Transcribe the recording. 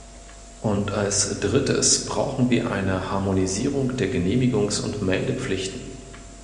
Und als Drittes brauchen wir eine Harmonisierung der Genehmigungs- und Meldepflichten.